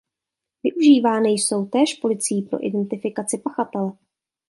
Využívány jsou též policií pro identifikaci pachatele.